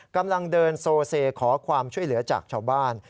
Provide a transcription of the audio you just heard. กำลังเดินโซเซขอความช่วยเหลือจากชาวบ้าน